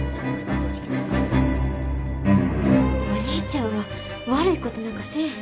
お兄ちゃんは悪いことなんかせえへん。